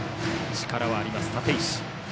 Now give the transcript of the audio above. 力はあります、立石。